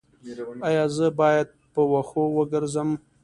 ایا زه باید په وښو وګرځم؟